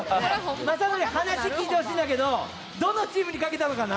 雅紀、話聞いてほしいんだけど、どのチームに賭けたのかな？